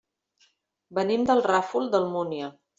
Venim del Ràfol d'Almúnia.